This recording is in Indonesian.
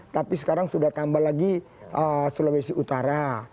tapi sekarang sudah tambah lagi sulawesi utara